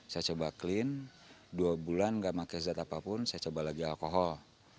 saya coba clean dua bulan gak pakai zat apapun saya coba lagi alkohol